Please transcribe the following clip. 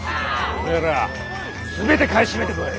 おめえらすべて買い占めてこい！